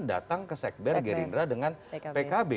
datang ke sekber gerindra dengan pkb